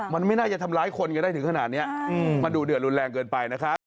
มันไม่น่าจะทำร้ายคนกันได้ถึงขนาดนี้มันดูเดือดรุนแรงเกินไปนะครับ